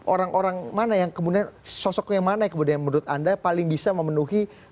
orang orang mana yang kemudian sosoknya mana yang kemudian menurut anda paling bisa memenuhi